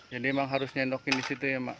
jadi emang harus nyendokin di situ ya mak